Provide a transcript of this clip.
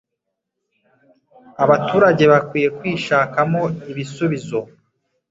Abaturage bakwiye kwishakamo ibisubizo,